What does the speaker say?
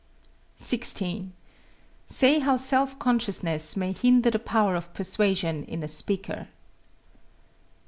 16. Say how self consciousness may hinder the power of persuasion in a speaker.